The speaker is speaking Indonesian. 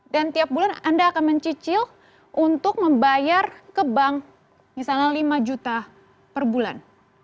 dan tiap bulan anda akan mencicil untuk membayar ke bank misalnya lima juta per bulan